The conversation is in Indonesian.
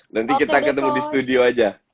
nanti kita ketemu di studio aja